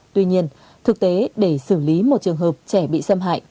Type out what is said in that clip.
tuy nhiên thực tế để xử lý một trường hợp trẻ bị xâm hại